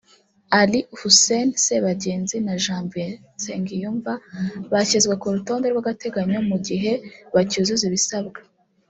Ally Husseine Sebagenzi na Janvier Nsengiyumva bashyizwe ku rutonde rw’agateganyo mu gihe bacyuzuza ibisabwa